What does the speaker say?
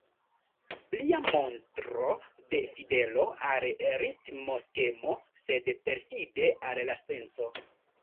Plia montro de fidelo al ritmoskemo, sed perfide al la senco.